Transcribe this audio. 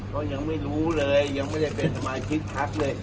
ก็ยังไม่รู้เลยยังไม่ได้เป็นสมาชิกพักเลย